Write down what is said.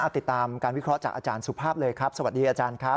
ติดตามการวิเคราะห์จากอาจารย์สุภาพเลยครับสวัสดีอาจารย์ครับ